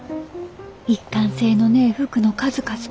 一貫性のねえ服の数々。